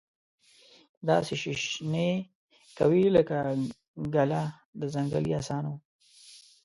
داسي شیشنی کوي لکه ګله د ځنګلې اسانو